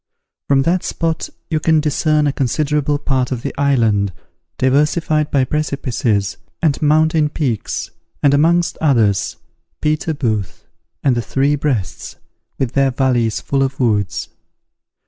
From that spot you can discern a considerable part of the island, diversified by precipices and mountain peaks, and amongst others, Peter Booth, and the Three Breasts, with their valleys full of woods.